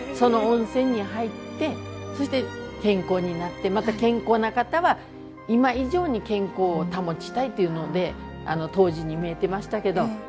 その温泉に入ってそして健康になってまた健康な方は今以上に健康を保ちたいというので湯治にみえてましたけど。